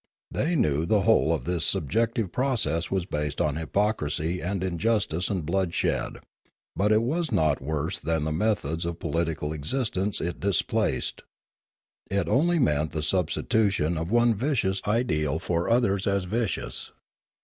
They knew the whole of this sub jugative process was based on hypocrisy and injustice and bloodshed, but it was not worse than the methods of political existence it displaced; it only meant the substitution of one vicious ideal for others as vicious.